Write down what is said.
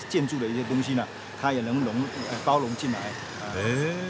へえ！